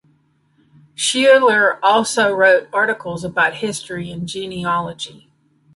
Schuyler also wrote articles about history and genealogy.